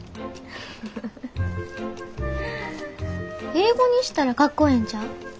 英語にしたらかっこええんちゃう？